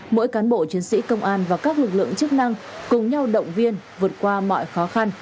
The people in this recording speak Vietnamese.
mỗi cán bộ chiến sĩ công an và các lực lượng chức năng cùng nhau động viên vượt qua mọi khó khăn